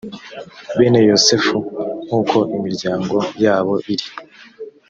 bene yosefu nk uko imiryango yabo iri